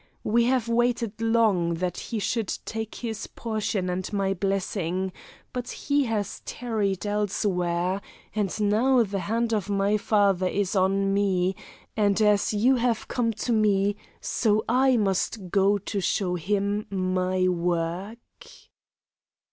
We have waited long, that he should take his portion and my blessing; but he has tarried elsewhere, and now the hand of my Father is on me, and as you have come to me, so I must go to show Him my work.'